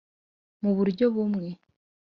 muburyo bumwe